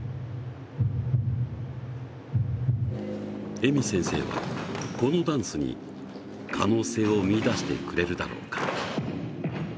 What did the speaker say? ＥＭＩ先生は、このダンスに可能性を見いだしてくれるだろうか。